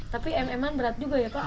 tapi mm berat juga ya pak